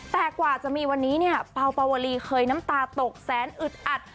แต่กว่าจะมีวันนี้เนี่ยเปล่าปาวลีเคยน้ำตาตกแสนอึดอัด